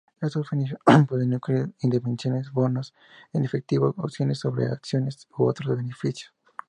Estos beneficios pueden incluir indemnizaciones, bonos en efectivo, opciones sobre acciones, u otros beneficios.